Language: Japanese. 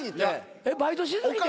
えっバイトし過ぎて？